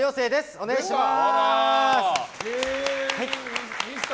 お願いします。